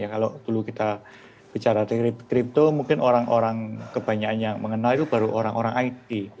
kalau dulu kita bicara kripto mungkin orang orang kebanyakan yang mengenal itu baru orang orang it